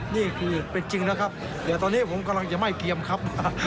นี่คือเป็นจริงแล้วครับเดี๋ยวตอนนี้ผมกำลังจะไม่เตรียมครับ